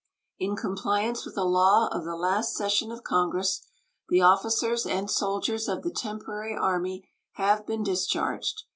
In compliance with a law of the last session of Congress, the officers and soldiers of the temporary army have been discharged.